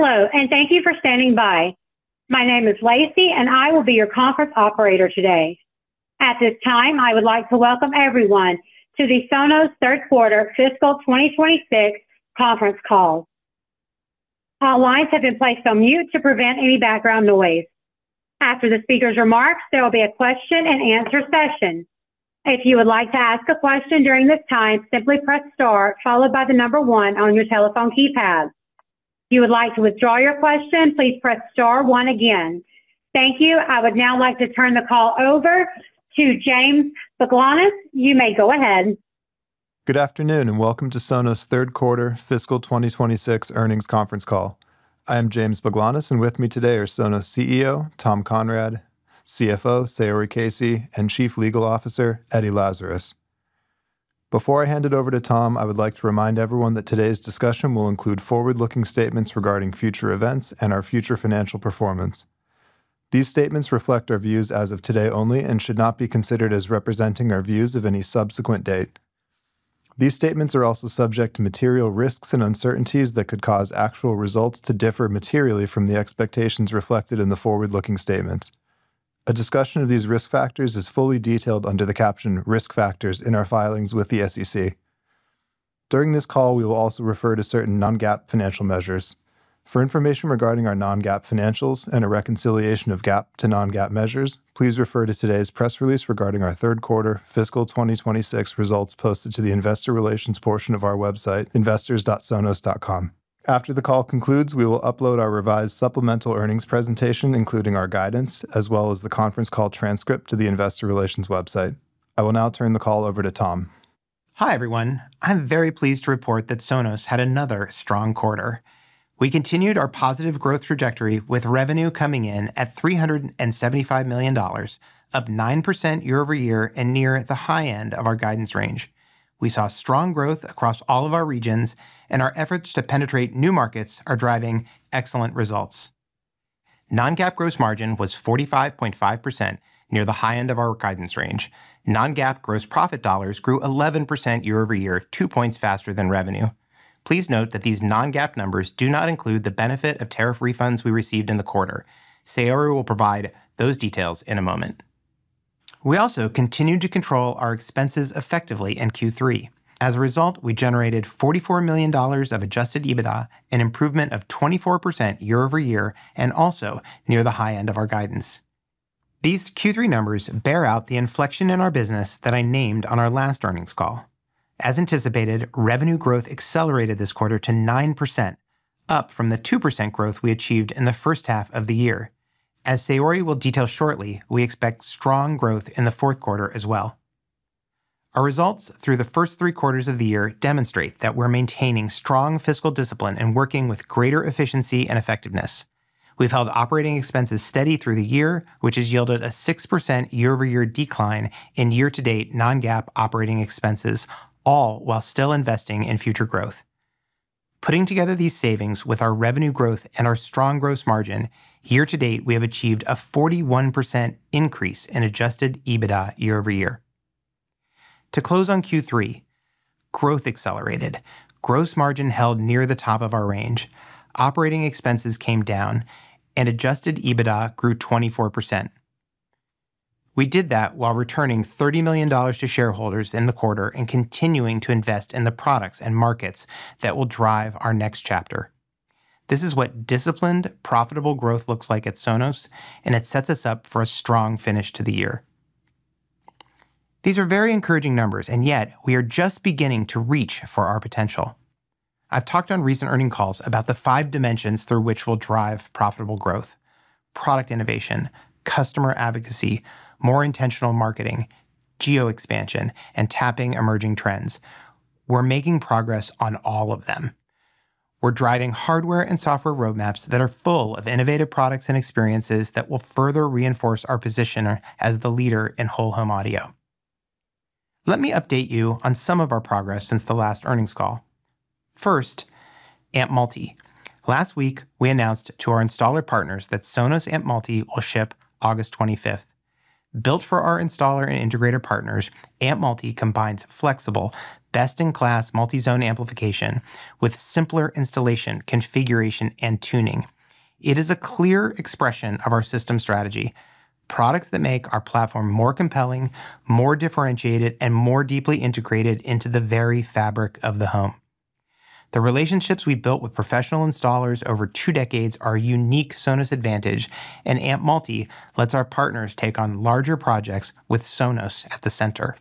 Hello. Thank you for standing by. My name is Lacey, and I will be your conference operator today. At this time, I would like to welcome everyone to the Sonos Third Quarter Fiscal 2026 Conference Call. All lines have been placed on mute to prevent any background noise. After the speaker's remarks, there will be a question and answer session. If you would like to ask a question during this time, simply press star, followed by the number 1 on your telephone keypad. If you would like to withdraw your question, please press star 1 again. Thank you. I would now like to turn the call over to James Baglanis. You may go ahead. Good afternoon. Welcome to Sonos' Third Quarter Fiscal 2026 Earnings Conference Call. I am James Baglanis, and with me today are Sonos CEO Tom Conrad, CFO Saori Casey, and Chief Legal Officer Eddie Lazarus. Before I hand it over to Tom, I would like to remind everyone that today's discussion will include forward-looking statements regarding future events and our future financial performance. These statements reflect our views as of today only and should not be considered as representing our views of any subsequent date. These statements are also subject to material risks and uncertainties that could cause actual results to differ materially from the expectations reflected in the forward-looking statements. A discussion of these risk factors is fully detailed under the caption "Risk Factors" in our filings with the SEC. During this call, we will also refer to certain non-GAAP financial measures. For information regarding our non-GAAP financials and a reconciliation of GAAP to non-GAAP measures, please refer to today's press release regarding our third quarter fiscal 2026 results posted to the investor relations portion of our website, investors.sonos.com. After the call concludes, we will upload our revised supplemental earnings presentation, including our guidance, as well as the conference call transcript to the investor relations website. I will now turn the call over to Tom. Hi, everyone. I'm very pleased to report that Sonos had another strong quarter. We continued our positive growth trajectory with revenue coming in at $375 million, up 9% year-over-year, and near the high end of our guidance range. We saw strong growth across all of our regions, and our efforts to penetrate new markets are driving excellent results. Non-GAAP gross margin was 45.5%, near the high end of our guidance range. Non-GAAP gross profit dollars grew 11% year-over-year, 2 points faster than revenue. Please note that these non-GAAP numbers do not include the benefit of tariff refunds we received in the quarter. Saori will provide those details in a moment. We also continued to control our expenses effectively in Q3. As a result, we generated $44 million of adjusted EBITDA, an improvement of 24% year-over-year, and also near the high end of our guidance. These Q3 numbers bear out the inflection in our business that I named on our last earnings call. As anticipated, revenue growth accelerated this quarter to 9%, up from the 2% growth we achieved in the first half of the year. As Saori will detail shortly, we expect strong growth in the fourth quarter as well. Our results through the first three quarters of the year demonstrate that we're maintaining strong fiscal discipline and working with greater efficiency and effectiveness. We've held operating expenses steady through the year, which has yielded a 6% year-over-year decline in year-to-date non-GAAP operating expenses, all while still investing in future growth. Putting together these savings with our revenue growth and our strong gross margin, year-to-date, we have achieved a 41% increase in adjusted EBITDA year-over-year. To close on Q3, growth accelerated, gross margin held near the top of our range, operating expenses came down, and adjusted EBITDA grew 24%. We did that while returning $30 million to shareholders in the quarter and continuing to invest in the products and markets that will drive our next chapter. This is what disciplined, profitable growth looks like at Sonos, and it sets us up for a strong finish to the year. These are very encouraging numbers, yet we are just beginning to reach for our potential. I've talked on recent earning calls about the five dimensions through which we'll drive profitable growth: product innovation, customer advocacy, more intentional marketing, geo expansion, and tapping emerging trends. We're making progress on all of them. We're driving hardware and software roadmaps that are full of innovative products and experiences that will further reinforce our position as the leader in whole home audio. Let me update you on some of our progress since the last earnings call. First, Amp Multi. Last week, we announced to our installer partners that Sonos Amp Multi will ship August 25th. Built for our installer and integrator partners, Amp Multi combines flexible, best-in-class multi-zone amplification with simpler installation, configuration, and tuning. It is a clear expression of our system strategy, products that make our platform more compelling, more differentiated, and more deeply integrated into the very fabric of the home. The relationships we've built with professional installers over two decades are a unique Sonos advantage, and Amp Multi lets our partners take on larger projects with Sonos at the center.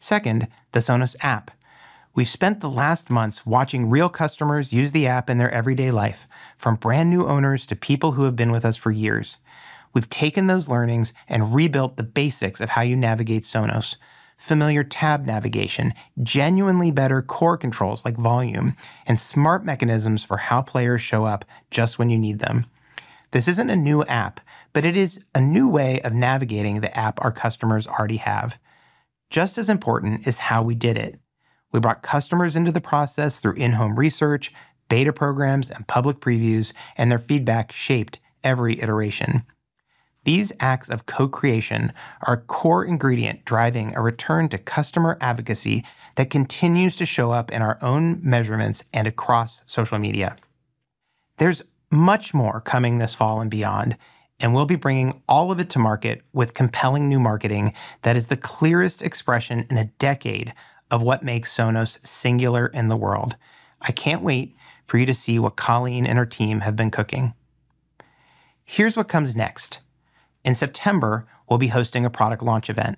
Second, the Sonos app. We've spent the last months watching real customers use the app in their everyday life, from brand new owners to people who have been with us for years. We've taken those learnings and rebuilt the basics of how you navigate Sonos. Familiar tab navigation, genuinely better core controls like volume, and smart mechanisms for how players show up just when you need them. This isn't a new app, it is a new way of navigating the app our customers already have. Just as important is how we did it. We brought customers into the process through in-home research, beta programs, and public previews. Their feedback shaped every iteration. These acts of co-creation are a core ingredient driving a return to customer advocacy that continues to show up in our own measurements and across social media. There's much more coming this fall and beyond, and we'll be bringing all of it to market with compelling new marketing that is the clearest expression in a decade of what makes Sonos singular in the world. I can't wait for you to see what Colleen and her team have been cooking. Here's what comes next. In September, we'll be hosting a product launch event.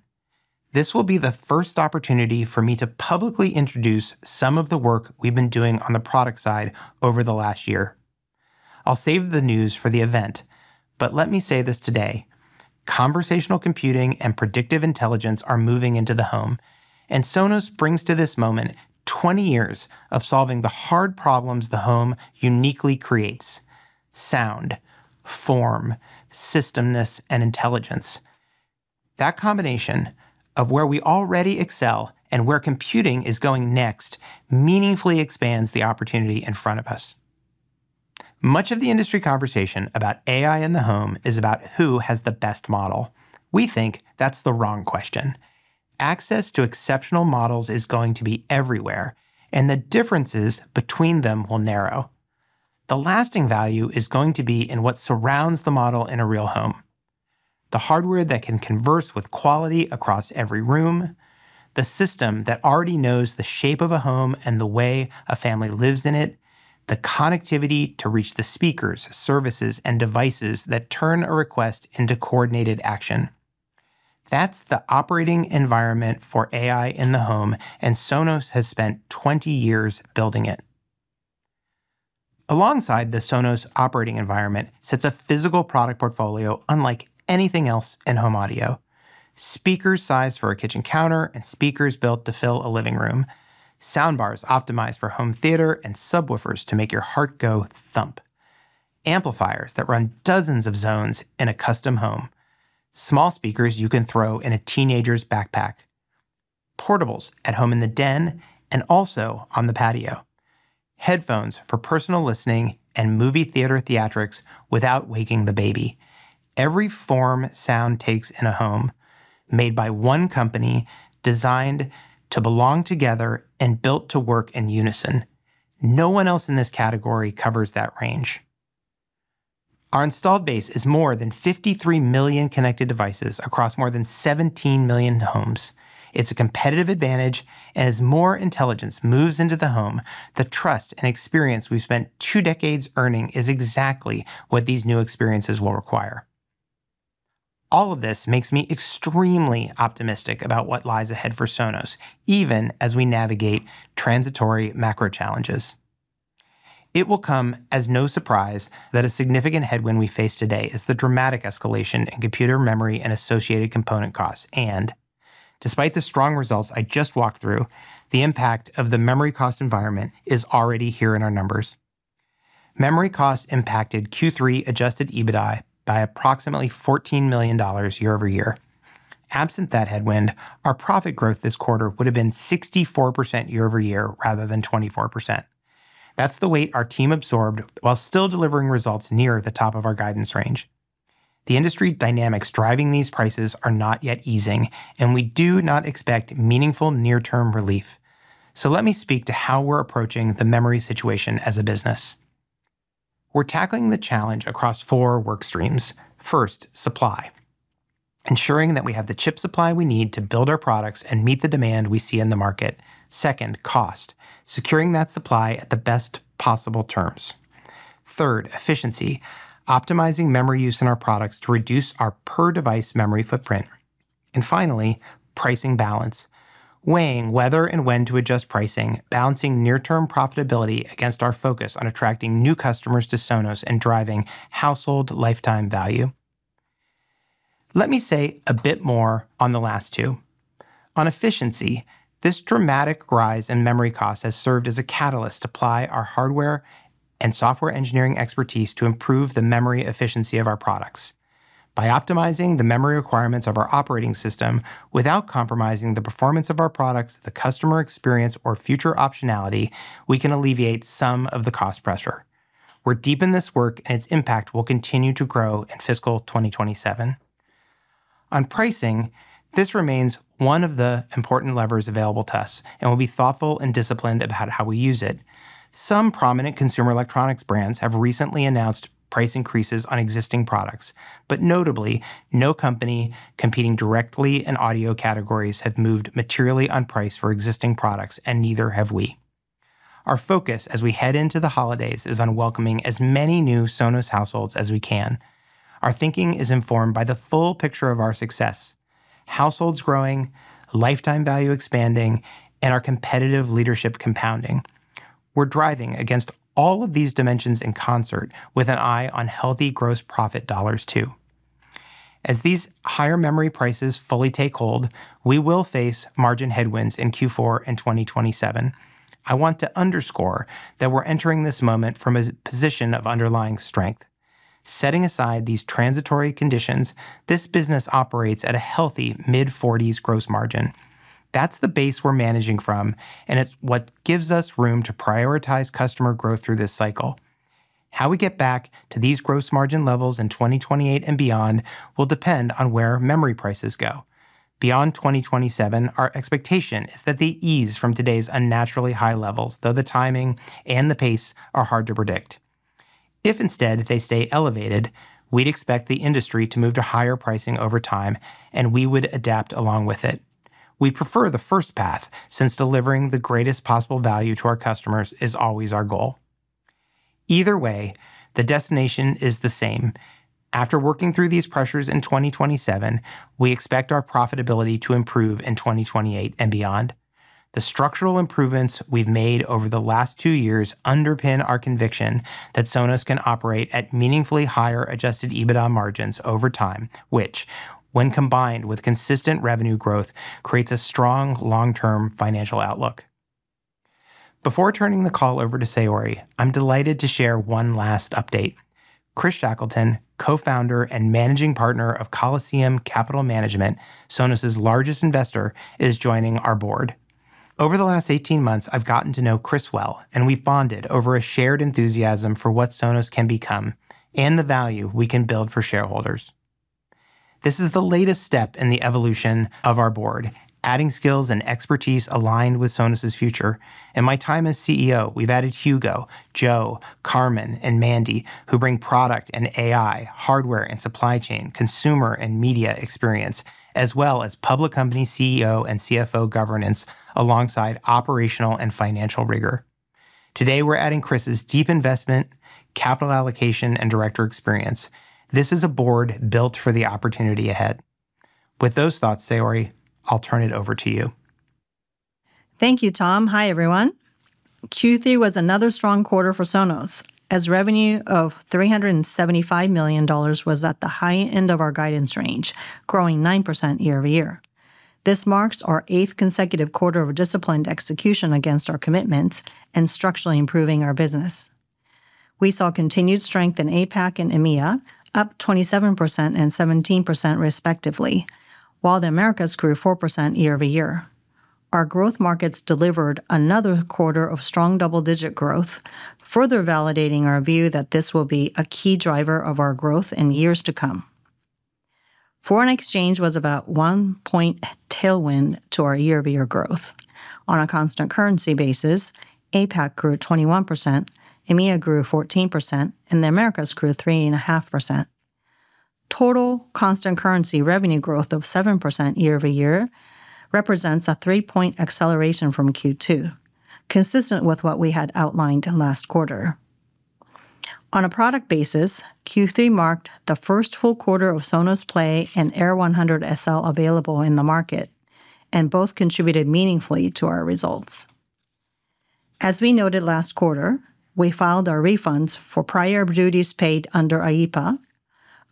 This will be the first opportunity for me to publicly introduce some of the work we've been doing on the product side over the last year. I'll save the news for the event, but let me say this today. Conversational computing and predictive intelligence are moving into the home, and Sonos brings to this moment 20 years of solving the hard problems the home uniquely creates: sound, form, systemness, and intelligence. That combination of where we already excel and where computing is going next meaningfully expands the opportunity in front of us. Much of the industry conversation about AI in the home is about who has the best model. We think that's the wrong question. Access to exceptional models is going to be everywhere, and the differences between them will narrow. The lasting value is going to be in what surrounds the model in a real home. The hardware that can converse with quality across every room, the system that already knows the shape of a home and the way a family lives in it, the connectivity to reach the speakers, services, and devices that turn a request into coordinated action. That's the operating environment for AI in the home, and Sonos has spent 20 years building it. Alongside the Sonos operating environment sits a physical product portfolio unlike anything else in home audio. Speakers sized for a kitchen counter and speakers built to fill a living room. Soundbars optimized for home theater and subwoofers to make your heart go thump. Amplifiers that run dozens of zones in a custom home. Small speakers you can throw in a teenager's backpack. Portables at home in the den and also on the patio. Headphones for personal listening and movie theater theatrics without waking the baby. Every form sound takes in a home made by one company designed to belong together and built to work in unison. No one else in this category covers that range. Our installed base is more than 53 million connected devices across more than 17 million homes. It's a competitive advantage and as more intelligence moves into the home, the trust and experience we've spent two decades earning is exactly what these new experiences will require. All of this makes me extremely optimistic about what lies ahead for Sonos, even as we navigate transitory macro challenges. It will come as no surprise that a significant headwind we face today is the dramatic escalation in computer memory and associated component costs. Despite the strong results I just walked through, the impact of the memory cost environment is already here in our numbers. Memory costs impacted Q3 adjusted EBITDA by approximately $14 million year-over-year. Absent that headwind, our profit growth this quarter would have been 64% year-over-year rather than 24%. That's the weight our team absorbed while still delivering results near the top of our guidance range. The industry dynamics driving these prices are not yet easing, and we do not expect meaningful near-term relief. Let me speak to how we're approaching the memory situation as a business. We're tackling the challenge across four work streams. First, supply. Ensuring that we have the chip supply we need to build our products and meet the demand we see in the market. Second, cost. Securing that supply at the best possible terms. Third, efficiency. Optimizing memory use in our products to reduce our per-device memory footprint. Finally, pricing balance. Weighing whether and when to adjust pricing, balancing near-term profitability against our focus on attracting new customers to Sonos and driving household lifetime value. Let me say a bit more on the last two. On efficiency, this dramatic rise in memory cost has served as a catalyst to apply our hardware and software engineering expertise to improve the memory efficiency of our products. By optimizing the memory requirements of our operating system without compromising the performance of our products, the customer experience, or future optionality, we can alleviate some of the cost pressure. We're deep in this work, and its impact will continue to grow in fiscal 2027. On pricing, this remains one of the important levers available to us, and we'll be thoughtful and disciplined about how we use it. Some permanent consumer electronics brands have recently announced price increases on existing products, but notably, no company competing directly in audio categories have moved materially on price for existing products, and neither have we. Our focus as we head into the holidays is on welcoming as many new Sonos households as we can. Our thinking is informed by the full picture of our success. Households growing, lifetime value expanding, and our competitive leadership compounding. We're driving against all of these dimensions in concert with an eye on healthy gross profit dollars too. As these higher memory prices fully take hold, we will face margin headwinds in Q4 in 2027. I want to underscore that we're entering this moment from a position of underlying strength. Setting aside these transitory conditions, this business operates at a healthy mid-40s gross margin. That's the base we're managing from, and it's what gives us room to prioritize customer growth through this cycle. How we get back to these gross margin levels in 2028 and beyond will depend on where memory prices go. Beyond 2027, our expectation is that they ease from today's unnaturally high levels, though the timing and the pace are hard to predict. If instead, they stay elevated, we'd expect the industry to move to higher pricing over time, we would adapt along with it. We'd prefer the first path, since delivering the greatest possible value to our customers is always our goal. Either way, the destination is the same. After working through these pressures in 2027, we expect our profitability to improve in 2028 and beyond. The structural improvements we've made over the last two years underpin our conviction that Sonos can operate at meaningfully higher adjusted EBITDA margins over time, which, when combined with consistent revenue growth, creates a strong long-term financial outlook. Before turning the call over to Saori, I'm delighted to share one last update. Chris Shackleton, co-founder and managing partner of Coliseum Capital Management, Sonos' largest investor, is joining our board. Over the last 18 months, I've gotten to know Chris well, and we've bonded over a shared enthusiasm for what Sonos can become and the value we can build for shareholders. This is the latest step in the evolution of our board, adding skills and expertise aligned with Sonos' future. In my time as CEO, we've added Hugo, Joe, Carmine, and Mandy, who bring product and AI, hardware and supply chain, consumer and media experience, as well as public company CEO and CFO governance alongside operational and financial rigor. Today, we're adding Chris's deep investment, capital allocation, and director experience. This is a board built for the opportunity ahead. With those thoughts, Saori, I'll turn it over to you. Thank you, Tom. Hi, everyone. Q3 was another strong quarter for Sonos, as revenue of $375 million was at the high end of our guidance range, growing 9% year-over-year. This marks our eighth consecutive quarter of disciplined execution against our commitments and structurally improving our business. We saw continued strength in APAC and EMEA, up 27% and 17% respectively, while the Americas grew 4% year-over-year. Our growth markets delivered another quarter of strong double-digit growth, further validating our view that this will be a key driver of our growth in years to come. Foreign exchange was about one point tailwind to our year-over-year growth. On a constant currency basis, APAC grew 21%, EMEA grew 14%, and the Americas grew 3.5%. Total constant currency revenue growth of 7% year-over-year represents a three-point acceleration from Q2, consistent with what we had outlined last quarter. On a product basis, Q3 marked the first full quarter of Sonos Play and Era 100 SL available in the market, and both contributed meaningfully to our results. As we noted last quarter, we filed our refunds for prior duties paid under IEEPA.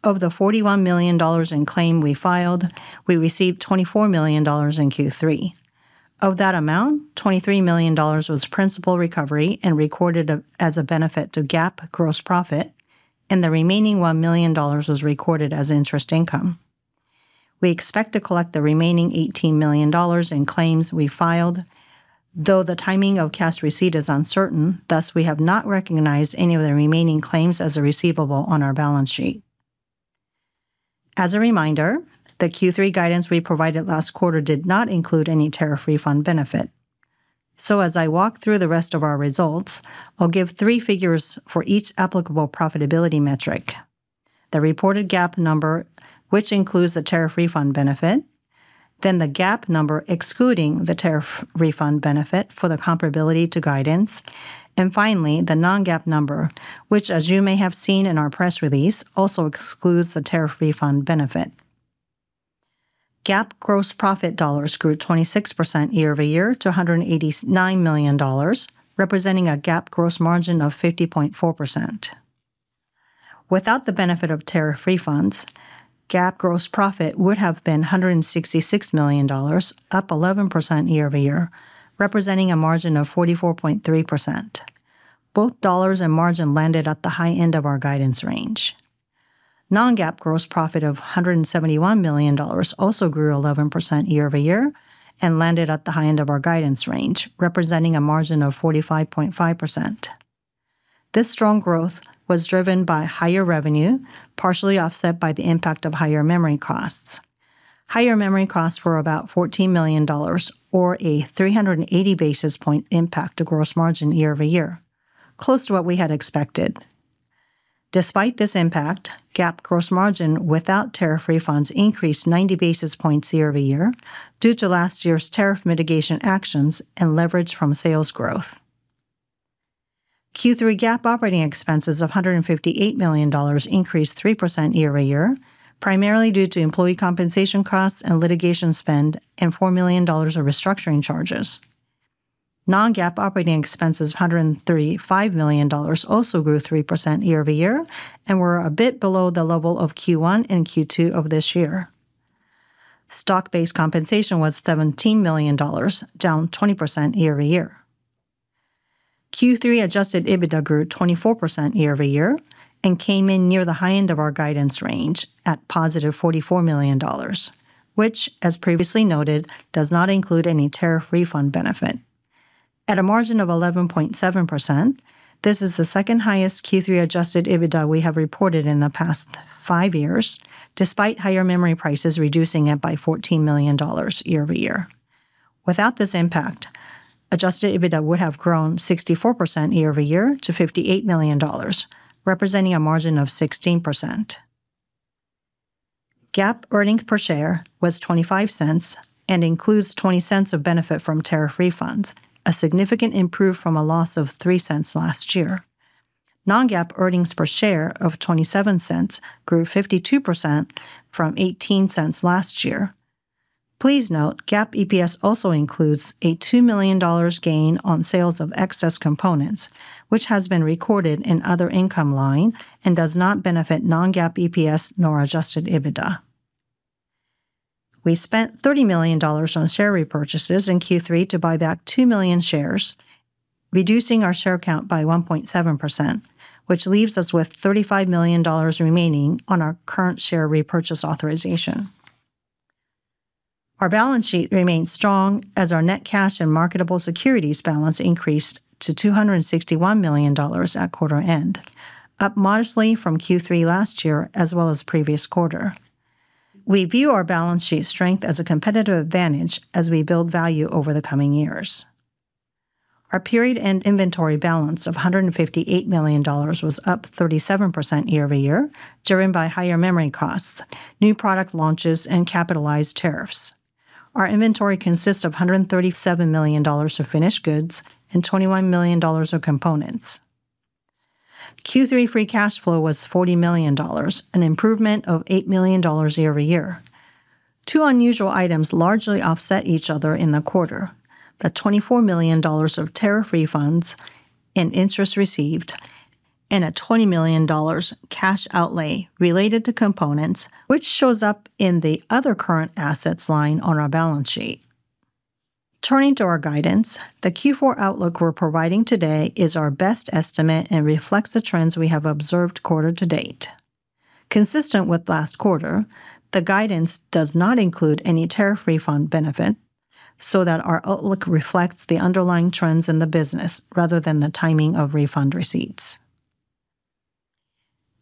Of the $41 million in claim we filed, we received $24 million in Q3. Of that amount, $23 million was principal recovery and recorded as a benefit to GAAP gross profit, and the remaining $1 million was recorded as interest income. We expect to collect the remaining $18 million in claims we filed, though the timing of cash receipt is uncertain. Thus, we have not recognized any of the remaining claims as a receivable on our balance sheet. As a reminder, the Q3 guidance we provided last quarter did not include any tariff refund benefit. As I walk through the rest of our results, I'll give three figures for each applicable profitability metric: the reported GAAP number, which includes the tariff refund benefit, then the GAAP number excluding the tariff refund benefit for the comparability to guidance, and finally, the non-GAAP number, which, as you may have seen in our press release, also excludes the tariff refund benefit. GAAP gross profit dollars grew 26% year-over-year to $189 million, representing a GAAP gross margin of 50.4%. Without the benefit of tariff refunds, GAAP gross profit would have been $166 million, up 11% year-over-year, representing a margin of 44.3%. Both dollars and margin landed at the high end of our guidance range. Non-GAAP gross profit of $171 million also grew 11% year-over-year and landed at the high end of our guidance range, representing a margin of 45.5%. This strong growth was driven by higher revenue, partially offset by the impact of higher memory costs. Higher memory costs were about $14 million, or a 380 basis point impact to gross margin year-over-year, close to what we had expected. Despite this impact, GAAP gross margin without tariff refunds increased 90 basis points year-over-year due to last year's tariff mitigation actions and leverage from sales growth. Q3 GAAP operating expenses of $158 million increased 3% year-over-year, primarily due to employee compensation costs and litigation spend and $4 million of restructuring charges. Non-GAAP operating expenses of $135 million also grew 3% year-over-year and were a bit below the level of Q1 and Q2 of this year. Stock-based compensation was $17 million, down 20% year-over-year. Q3 adjusted EBITDA grew 24% year-over-year and came in near the high end of our guidance range at positive $44 million, which as previously noted, does not include any tariff refund benefit. At a margin of 11.7%, this is the second highest Q3 adjusted EBITDA we have reported in the past five years, despite higher memory prices reducing it by $14 million year-over-year. Without this impact, adjusted EBITDA would have grown 64% year-over-year to $58 million, representing a margin of 16%. GAAP earnings per share was $0.25 and includes $0.20 of benefit from tariff refunds, a significant improvement from a loss of $0.03 last year. Non-GAAP earnings per share of $0.27 grew 52% from $0.18 last year. Please note, GAAP EPS also includes a $2 million gain on sales of excess components, which has been recorded in other income line and does not benefit non-GAAP EPS nor adjusted EBITDA. We spent $30 million on share repurchases in Q3 to buy back two million shares, reducing our share count by 1.7%, which leaves us with $35 million remaining on our current share repurchase authorization. Our balance sheet remains strong as our net cash and marketable securities balance increased to $261 million at quarter end, up modestly from Q3 last year as well as previous quarter. We view our balance sheet strength as a competitive advantage as we build value over the coming years. Our period end inventory balance of $158 million was up 37% year-over-year, driven by higher memory costs, new product launches and capitalized tariffs. Our inventory consists of $137 million of finished goods and $21 million of components. Q3 free cash flow was $40 million, an improvement of $8 million year-over-year. Two unusual items largely offset each other in the quarter. The $24 million of tariff refunds and interest received and a $20 million cash outlay related to components which shows up in the other current assets line on our balance sheet. Turning to our guidance, the Q4 outlook we're providing today is our best estimate and reflects the trends we have observed quarter to date. Consistent with last quarter, the guidance does not include any tariff refund benefit, so that our outlook reflects the underlying trends in the business rather than the timing of refund receipts.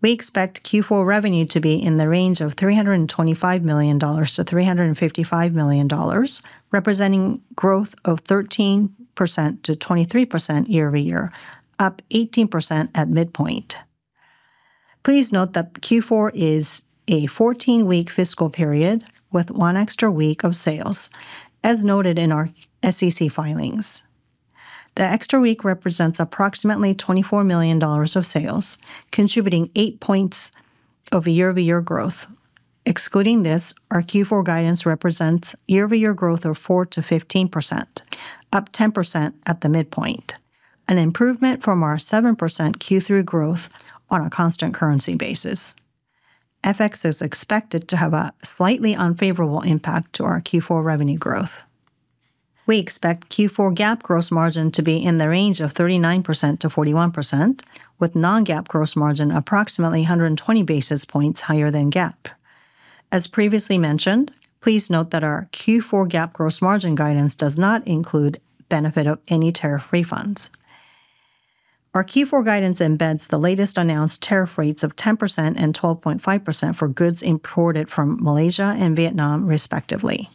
We expect Q4 revenue to be in the range of $325 million-$355 million, representing growth of 13%-23% year-over-year, up 18% at midpoint. Please note that Q4 is a 14-week fiscal period with one extra week of sales, as noted in our SEC filings. The extra week represents approximately $24 million of sales, contributing 8 points of year-over-year growth. Excluding this, our Q4 guidance represents year-over-year growth of 4%-15%, up 10% at the midpoint, an improvement from our 7% Q3 growth on a constant currency basis. FX is expected to have a slightly unfavorable impact to our Q4 revenue growth. We expect Q4 GAAP gross margin to be in the range of 39%-41%, with non-GAAP gross margin approximately 120 basis points higher than GAAP. As previously mentioned, please note that our Q4 GAAP gross margin guidance does not include benefit of any tariff refunds. Our Q4 guidance embeds the latest announced tariff rates of 10% and 12.5% for goods imported from Malaysia and Vietnam, respectively.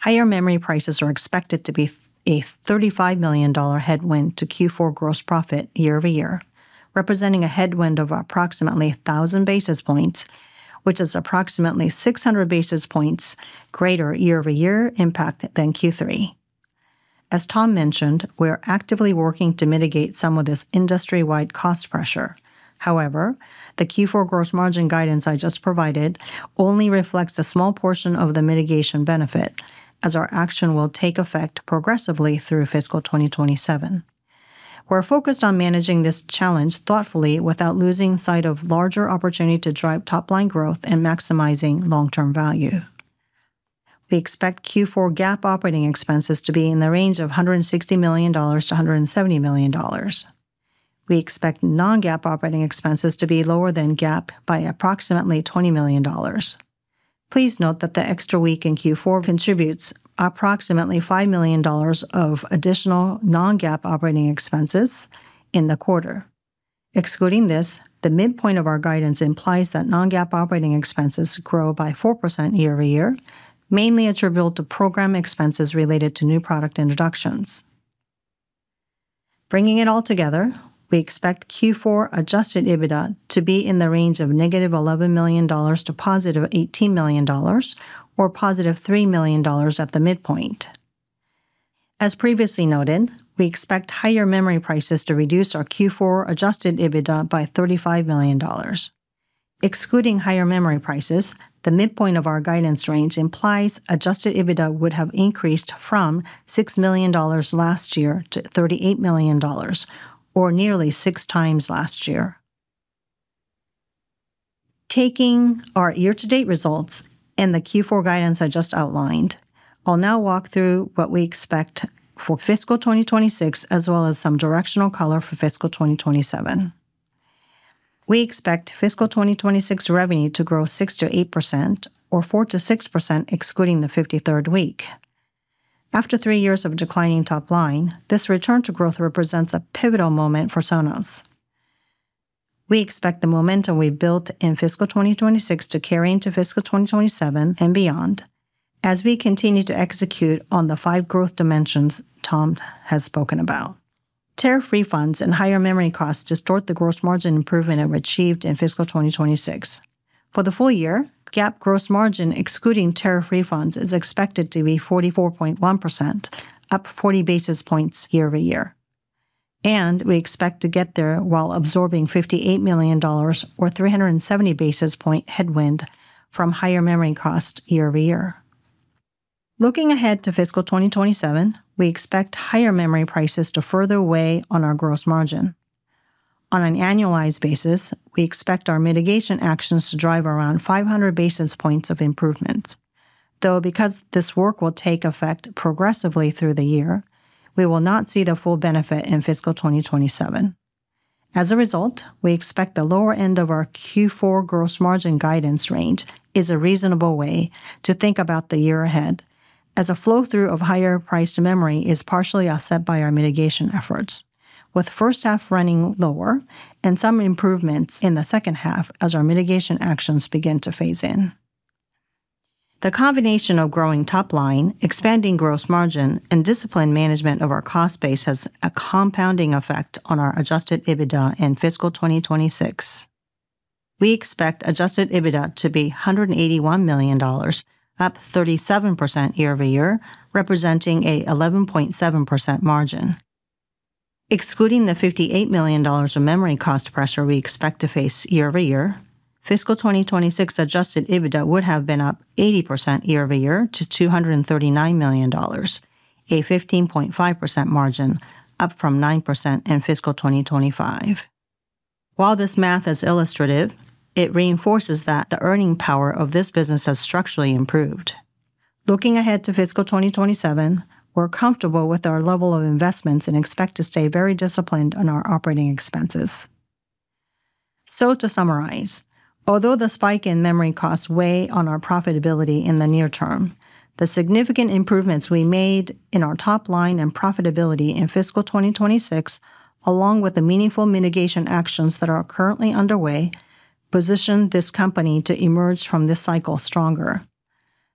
Higher memory prices are expected to be a $35 million headwind to Q4 gross profit year-over-year, representing a headwind of approximately 1,000 basis points, which is approximately 600 basis points greater year-over-year impact than Q3. As Tom mentioned, we are actively working to mitigate some of this industry-wide cost pressure. However, the Q4 gross margin guidance I just provided only reflects a small portion of the mitigation benefit as our action will take effect progressively through fiscal 2027. We're focused on managing this challenge thoughtfully without losing sight of larger opportunity to drive top line growth and maximizing long-term value. We expect Q4 GAAP operating expenses to be in the range of $160 million-$170 million. We expect non-GAAP operating expenses to be lower than GAAP by approximately $20 million. Please note that the extra week in Q4 contributes approximately $5 million of additional non-GAAP operating expenses in the quarter. Excluding this, the midpoint of our guidance implies that non-GAAP operating expenses grow by 4% year-over-year, mainly attributable to program expenses related to new product introductions. Bringing it all together, we expect Q4 adjusted EBITDA to be in the range of $-11 million - $18 million or $3 million at the midpoint. As previously noted, we expect higher memory prices to reduce our Q4 adjusted EBITDA by $35 million. Excluding higher memory prices, the midpoint of our guidance range implies adjusted EBITDA would have increased from $6 million last year to $38 million, or nearly 6x last year. Taking our year-to-date results and the Q4 guidance I just outlined, I'll now walk through what we expect for fiscal 2026, as well as some directional color for fiscal 2027. We expect fiscal 2026 revenue to grow 6%-8%, or 4%-6% excluding the 53rd week. After three years of declining top line, this return to growth represents a pivotal moment for Sonos. We expect the momentum we've built in fiscal 2026 to carry into fiscal 2027 and beyond as we continue to execute on the five growth dimensions Tom has spoken about. Tariff refunds and higher memory costs distort the gross margin improvement we've achieved in fiscal 2026. For the full year, GAAP gross margin excluding tariff refunds is expected to be 44.1%, up 40 basis points year-over-year. We expect to get there while absorbing $58 million, or 370 basis points headwind from higher memory cost year-over-year. Looking ahead to fiscal 2027, we expect higher memory prices to further weigh on our gross margin. On an annualized basis, we expect our mitigation actions to drive around 500 basis points of improvements. Though, because this work will take effect progressively through the year, we will not see the full benefit in fiscal 2027. As a result, we expect the lower end of our Q4 gross margin guidance range is a reasonable way to think about the year ahead, as a flow-through of higher priced memory is partially offset by our mitigation efforts with first half running lower and some improvements in the second half as our mitigation actions begin to phase in. The combination of growing top line, expanding gross margin, and disciplined management of our cost base has a compounding effect on our adjusted EBITDA in fiscal 2026. We expect adjusted EBITDA to be $181 million, up 37% year-over-year, representing an 11.7% margin. Excluding the $58 million of memory cost pressure we expect to face year-over-year, fiscal 2026 adjusted EBITDA would have been up 80% year-over-year to $239 million, a 15.5% margin up from 9% in fiscal 2025. While this math is illustrative, it reinforces that the earning power of this business has structurally improved. Looking ahead to fiscal 2027, we're comfortable with our level of investments and expect to stay very disciplined on our operating expenses. To summarize, although the spike in memory costs weigh on our profitability in the near term, the significant improvements we made in our top line and profitability in fiscal 2026, along with the meaningful mitigation actions that are currently underway, position this company to emerge from this cycle stronger.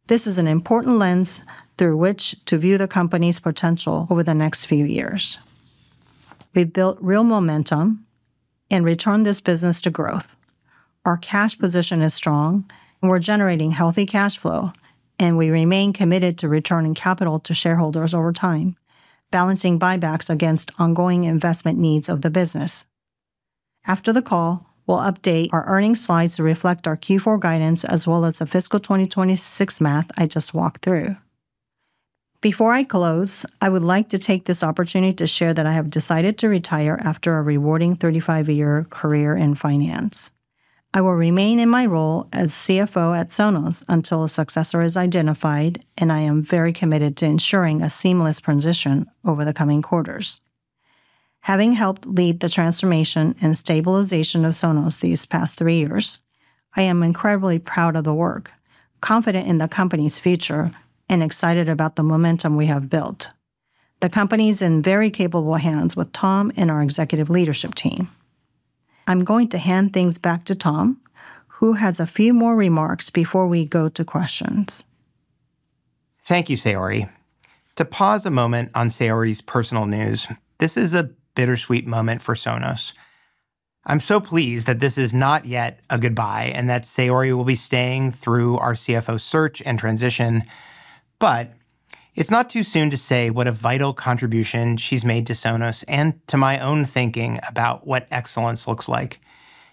This is an important lens through which to view the company's potential over the next few years. We've built real momentum and returned this business to growth. Our cash position is strong, and we're generating healthy cash flow, and we remain committed to returning capital to shareholders over time, balancing buybacks against ongoing investment needs of the business. After the call, we'll update our earnings slides to reflect our Q4 guidance as well as the fiscal 2026 math I just walked through. Before I close, I would like to take this opportunity to share that I have decided to retire after a rewarding 35-year career in finance. I will remain in my role as CFO at Sonos until a successor is identified, and I am very committed to ensuring a seamless transition over the coming quarters. Having helped lead the transformation and stabilization of Sonos these past three years, I am incredibly proud of the work, confident in the company's future, and excited about the momentum we have built. The company's in very capable hands with Tom and our executive leadership team. I'm going to hand things back to Tom, who has a few more remarks before we go to questions. Thank you, Saori. To pause a moment on Saori's personal news, this is a bittersweet moment for Sonos. I'm so pleased that this is not yet a goodbye and that Saori will be staying through our CFO search and transition. It's not too soon to say what a vital contribution she's made to Sonos and to my own thinking about what excellence looks like.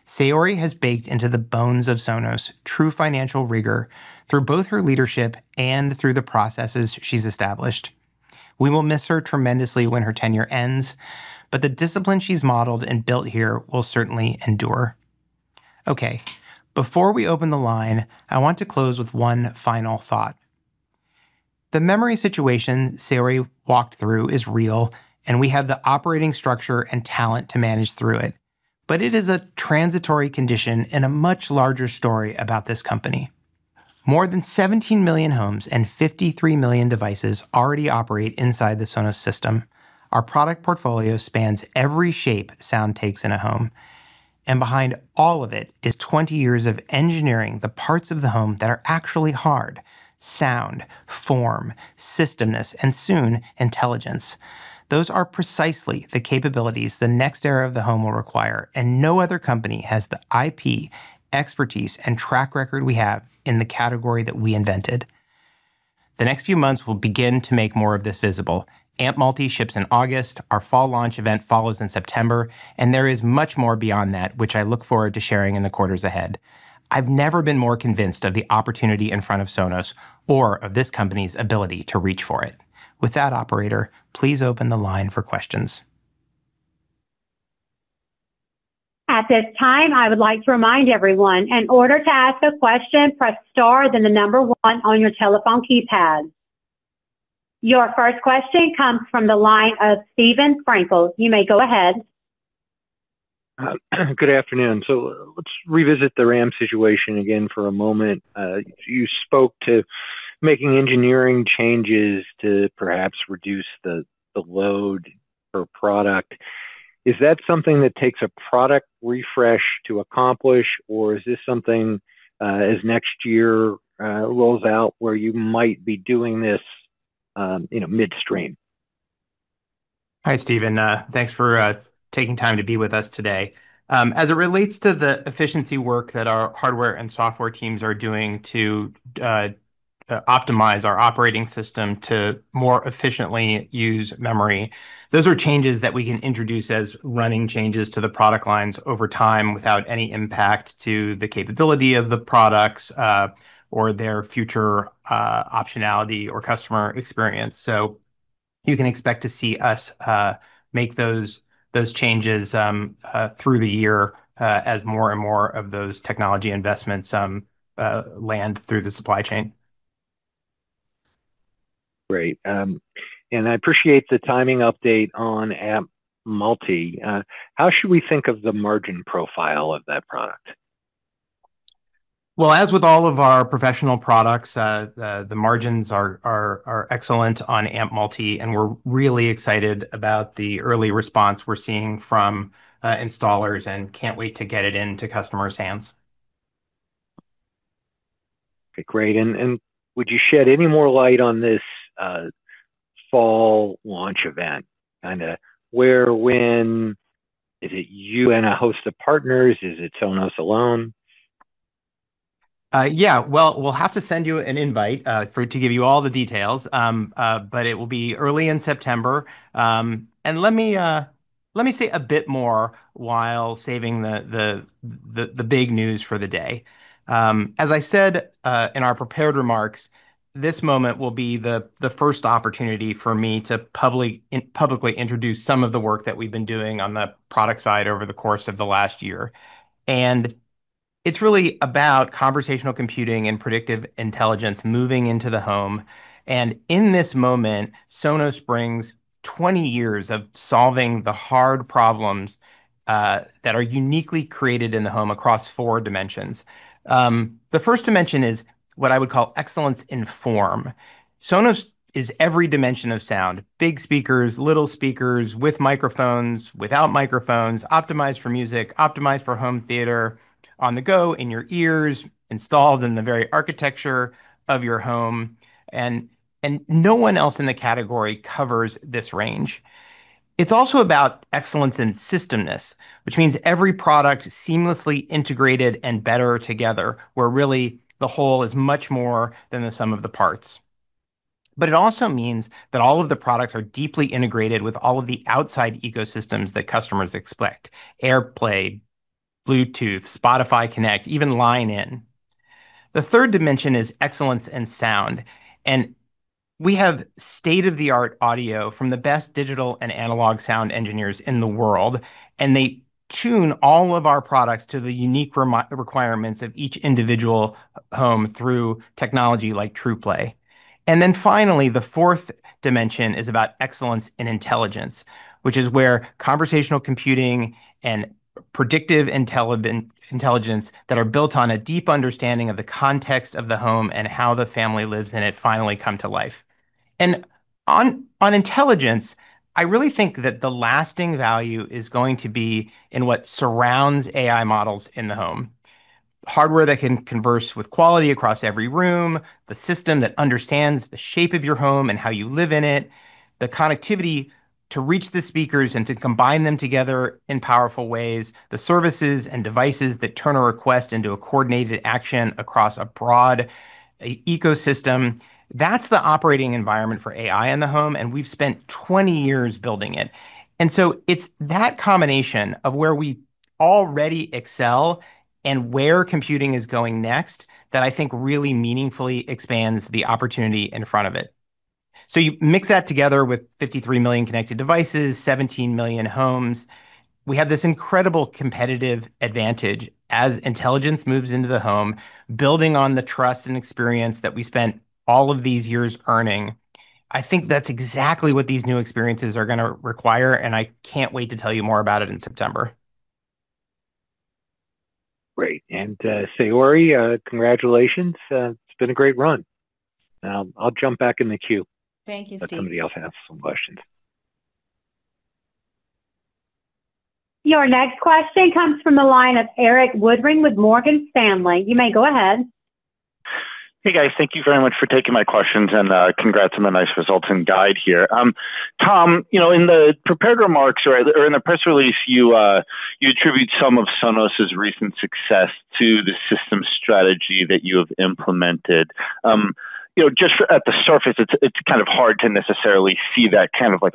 Saori has baked into the bones of Sonos true financial rigor through both her leadership and through the processes she's established. We will miss her tremendously when her tenure ends, but the discipline she's modeled and built here will certainly endure. Okay. Before we open the line, I want to close with one final thought. The memory situation Saori walked through is real, and we have the operating structure and talent to manage through it. It is a transitory condition and a much larger story about this company. More than 17 million homes and 53 million devices already operate inside the Sonos system. Our product portfolio spans every shape sound takes in a home. Behind all of it is 20 years of engineering the parts of the home that are actually hard: sound, form, systemness, and soon, intelligence. Those are precisely the capabilities the next era of the home will require, and no other company has the IP, expertise, and track record we have in the category that we invented. The next few months, we'll begin to make more of this visible. Amp Multi ships in August, our fall launch event follows in September, and there is much more beyond that, which I look forward to sharing in the quarters ahead. I've never been more convinced of the opportunity in front of Sonos or of this company's ability to reach for it. With that, operator, please open the line for questions Your first question comes from the line of Steven Frankel. You may go ahead. Good afternoon. Let's revisit the RAM situation again for a moment. You spoke to making engineering changes to perhaps reduce the load per product. Is that something that takes a product refresh to accomplish, or is this something, as next year rolls out, where you might be doing this midstream? Hi, Steven. Thanks for taking time to be with us today. As it relates to the efficiency work that our hardware and software teams are doing to optimize our operating system to more efficiently use memory, those are changes that we can introduce as running changes to the product lines over time without any impact to the capability of the products, or their future optionality or customer experience. You can expect to see us make those changes through the year as more and more of those technology investments land through the supply chain. Great. I appreciate the timing update on Amp Multi. How should we think of the margin profile of that product? Well, as with all of our professional products, the margins are excellent on Amp Multi, and we're really excited about the early response we're seeing from installers and can't wait to get it into customers' hands. Okay, great. Would you shed any more light on this fall launch event? Where, when? Is it you and a host of partners? Is it Sonos alone? Yeah. Well, we'll have to send you an invite to give you all the details, but it will be early in September. Let me say a bit more while saving the big news for the day. As I said in our prepared remarks, this moment will be the first opportunity for me to publicly introduce some of the work that we've been doing on the product side over the course of the last year. It's really about conversational computing and predictive intelligence moving into the home. In this moment, Sonos brings 20 years of solving the hard problems that are uniquely created in the home across four dimensions. The first dimension is what I would call excellence in form. Sonos is every dimension of sound: big speakers, little speakers, with microphones, without microphones, optimized for music, optimized for home theater, on the go, in your ears, installed in the very architecture of your home. No one else in the category covers this range. It's also about excellence in systemness, which means every product seamlessly integrated and better together, where really the whole is much more than the sum of the parts. It also means that all of the products are deeply integrated with all of the outside ecosystems that customers expect: AirPlay, Bluetooth, Spotify Connect, even Line-in. The third dimension is excellence in sound. We have state-of-the-art audio from the best digital and analog sound engineers in the world, and they tune all of our products to the unique requirements of each individual home through technology like Trueplay. Finally, the fourth dimension is about excellence in intelligence, which is where conversational computing and predictive intelligence that are built on a deep understanding of the context of the home and how the family lives in it finally come to life. On intelligence, I really think that the lasting value is going to be in what surrounds AI models in the home. Hardware that can converse with quality across every room, the system that understands the shape of your home and how you live in it, the connectivity to reach the speakers and to combine them together in powerful ways, the services and devices that turn a request into a coordinated action across a broad ecosystem. That's the operating environment for AI in the home, and we've spent 20 years building it. It's that combination of where we already excel and where computing is going next that I think really meaningfully expands the opportunity in front of it. You mix that together with 53 million connected devices, 17 million homes. We have this incredible competitive advantage as intelligence moves into the home, building on the trust and experience that we spent all of these years earning. I think that's exactly what these new experiences are going to require, and I can't wait to tell you more about it in September. Great. Saori, congratulations. It's been a great run. I'll jump back in the queue. Thank you, Steve. Let somebody else ask some questions. Your next question comes from the line of Erik Woodring with Morgan Stanley. You may go ahead. Hey, guys. Thank you very much for taking my questions, congrats on the nice results and guide here. Tom, in the prepared remarks, or in the press release, you attribute some of Sonos' recent success to the system strategy that you have implemented. Just at the surface, it's hard to necessarily see that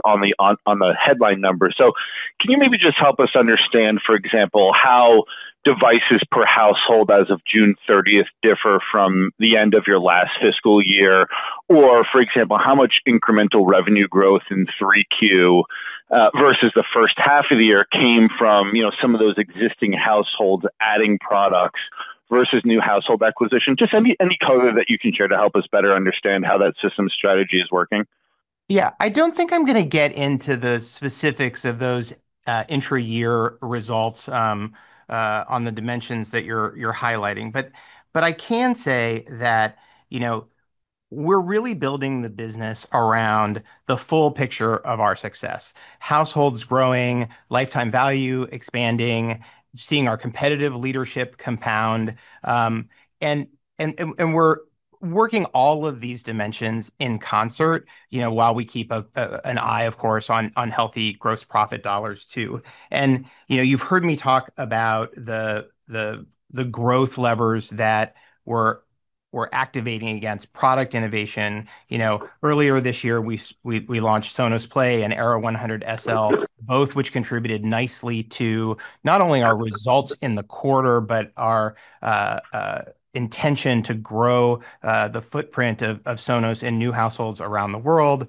on the headline number. Can you maybe just help us understand, for example, how devices per household as of June 30th differ from the end of your last fiscal year? For example, how much incremental revenue growth in 3Q versus the first half of the year came from some of those existing households adding products versus new household acquisition? Any color that you can share to help us better understand how that system strategy is working. I don't think I'm going to get into the specifics of those intra-year results on the dimensions that you're highlighting. I can say that we're really building the business around the full picture of our success, households growing, lifetime value expanding, seeing our competitive leadership compound. We're working all of these dimensions in concert while we keep an eye, of course, on healthy gross profit dollars too. You've heard me talk about the growth levers that we're activating against product innovation. Earlier this year, we launched Sonos Play and Era 100 SL, both which contributed nicely to not only our results in the quarter, but our intention to grow the footprint of Sonos in new households around the world.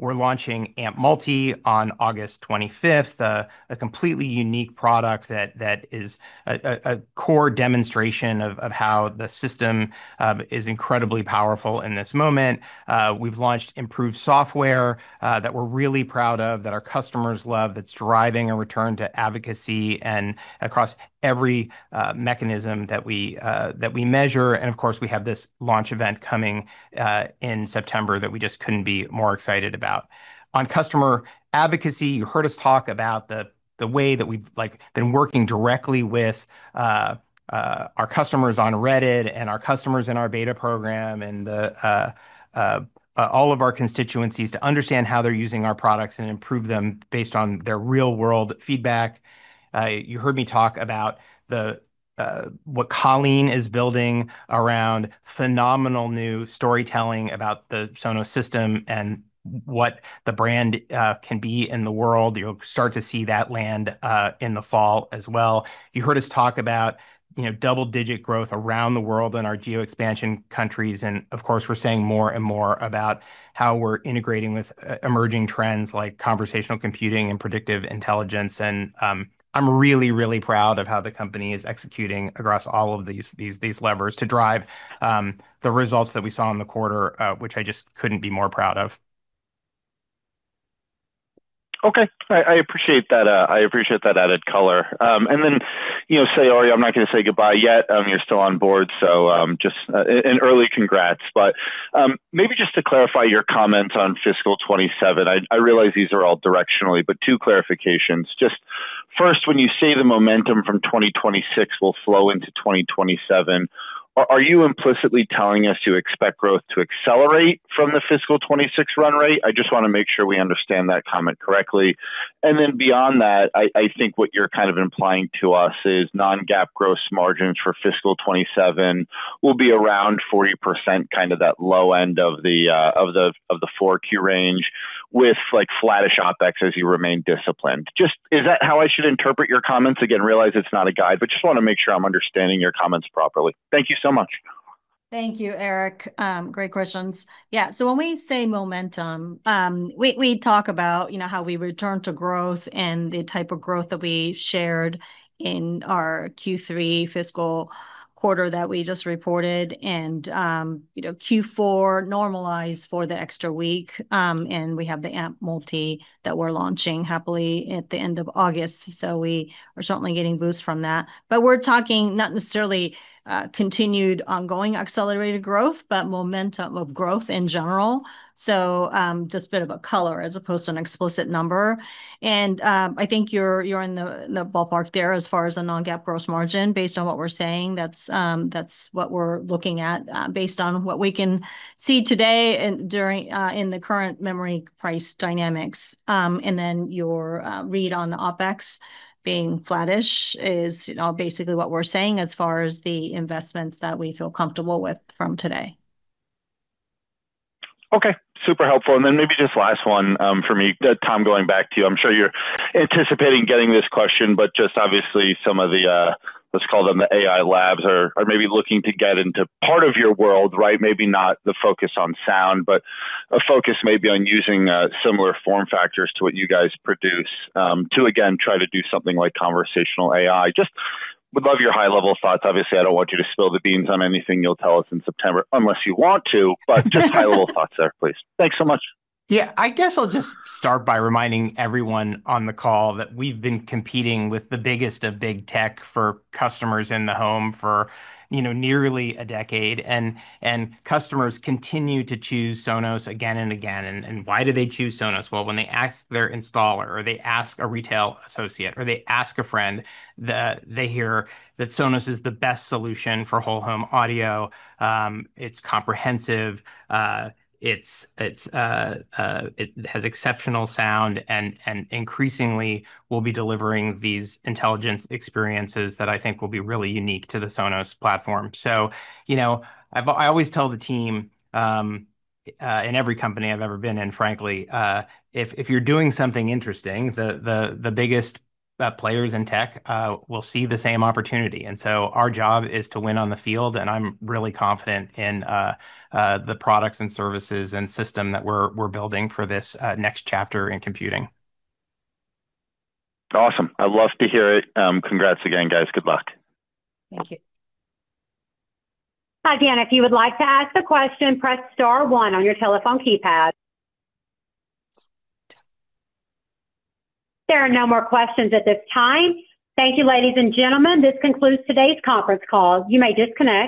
We're launching Amp Multi on August 25th, a completely unique product that is a core demonstration of how the system is incredibly powerful in this moment. We've launched improved software that we're really proud of, that our customers love, that's driving a return to advocacy across every mechanism that we measure. Of course, we have this launch event coming in September that we just couldn't be more excited about. On customer advocacy, you heard us talk about the way that we've been working directly with our customers on Reddit and our customers in our beta program and all of our constituencies to understand how they're using our products and improve them based on their real-world feedback. You heard me talk about what Colleen is building around phenomenal new storytelling about the Sonos system and what the brand can be in the world. You'll start to see that land in the fall as well. You heard us talk about double-digit growth around the world in our geo-expansion countries. Of course, we're saying more and more about how we're integrating with emerging trends like conversational computing and predictive intelligence. I'm really, really proud of how the company is executing across all of these levers to drive the results that we saw in the quarter, which I just couldn't be more proud of. Okay. I appreciate that added color. Then, Saori, I'm not going to say goodbye yet. You're still on board, so just an early congrats. Maybe just to clarify your comments on fiscal 2027, I realize these are all directionally, but two clarifications. First, when you say the momentum from 2026 will flow into 2027, are you implicitly telling us you expect growth to accelerate from the fiscal 2026 run rate? I just want to make sure we understand that comment correctly. Then beyond that, I think what you're kind of implying to us is non-GAAP gross margins for fiscal 2027 will be around 40%, that low end of the 4Q range with flattish OpEx as you remain disciplined. Just is that how I should interpret your comments? Again, realize it's not a guide, just want to make sure I'm understanding your comments properly. Thank you so much. Thank you, Erik. Great questions. When we say momentum, we talk about how we return to growth and the type of growth that we shared in our Q3 fiscal quarter that we just reported and Q4 normalized for the extra week, and we have the Amp Multi that we're launching happily at the end of August. We are certainly getting boosts from that. We're talking not necessarily continued ongoing accelerated growth, but momentum of growth in general. Just a bit of a color as opposed to an explicit number. I think you're in the ballpark there as far as the non-GAAP gross margin. Based on what we're saying, that's what we're looking at based on what we can see today in the current memory price dynamics. Your read on the OpEx being flattish is basically what we're saying as far as the investments that we feel comfortable with from today. Okay. Super helpful. Maybe just last one for me. Tom, going back to you, I'm sure you're anticipating getting this question. Obviously, some of the, let's call them the AI labs, are maybe looking to get into part of your world, right? Maybe not the focus on sound, but a focus maybe on using similar form factors to what you guys produce to again, try to do something like conversational AI. Just would love your high-level thoughts. Obviously, I don't want you to spill the beans on anything you'll tell us in September unless you want to. Just high-level thoughts there, please. Thanks so much. I guess I'll just start by reminding everyone on the call that we've been competing with the biggest of big tech for customers in the home for nearly a decade. Customers continue to choose Sonos again and again. Why do they choose Sonos? Well, when they ask their installer or they ask a retail associate, or they ask a friend, they hear that Sonos is the best solution for whole home audio. It's comprehensive. It has exceptional sound. Increasingly, we'll be delivering these intelligence experiences that I think will be really unique to the Sonos platform. I always tell the team, in every company I've ever been in, frankly, if you're doing something interesting, the biggest players in tech will see the same opportunity. Our job is to win on the field, I'm really confident in the products and services and system that we're building for this next chapter in computing. Awesome. I love to hear it. Congrats again, guys. Good luck. Thank you. There are no more questions at this time. Thank you, ladies and gentlemen. This concludes today's conference call. You may disconnect.